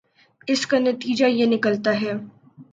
اس کا نتیجہ یہ نکلتا ہے